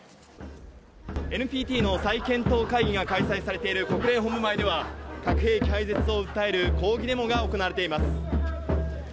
ＮＰＴの再検討会議が開催されている国連本部前では、核兵器廃絶を訴える抗議デモが行われています。